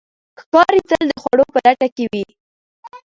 ښکاري تل د خوړو په لټه کې وي.